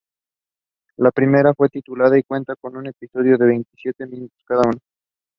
The aircraft returned to operations after repair.